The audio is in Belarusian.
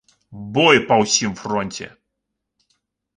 Бой па ўсім фронце.